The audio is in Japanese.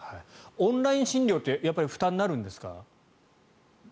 オンライン診療って負担になるんですか？